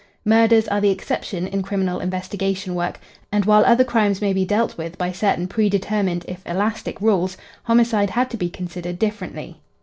Murders are the exception in criminal investigation work, and while other crimes may be dealt with by certain predetermined if elastic rules, homicide had to be considered differently.